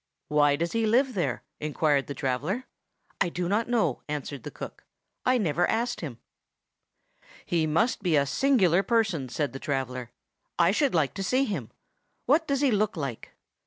"Why does he live there?" inquired the traveller. "I do not know," answered the cook; "I never asked him." "He must be a singular person," said the traveller. "I should like to see him. What does he look like?"